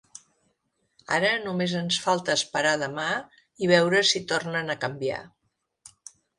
Ara només ens falta esperar a demà i veure si tornen a canviar.